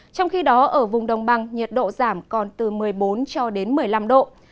trong khi đó ở vùng đồng bằng nhiệt độ giảm còn từ một mươi bốn cho đến một mươi năm độ